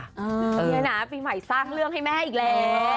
นี่นะปีใหม่สร้างเรื่องให้แม่อีกแล้ว